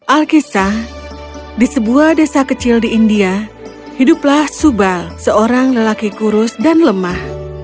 alkisah di sebuah desa kecil di india hiduplah subal seorang lelaki kurus dan lemah